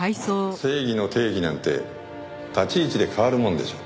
正義の定義なんて立ち位置で変わるもんでしょ。